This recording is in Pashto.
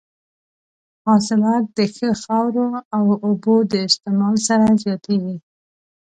حاصلات د ښه خاورو او اوبو د استعمال سره زیاتېږي.